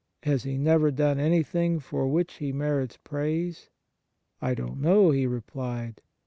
Has he never done anything for which he merits praise ?"" I don t know T ," he replied.